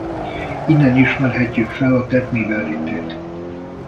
Innen ismerhetjük fel a tett mibenlétét.